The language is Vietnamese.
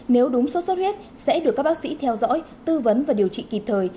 nếu đúng số sốt huyết sẽ được các bác sĩ theo dõi tư vấn và điều trị kịp thời